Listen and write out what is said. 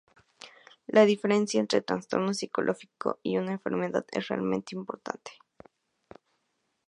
La diferencia entre "trastorno psicológico" y "enfermedad" es realmente importante.